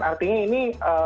dan artinya ini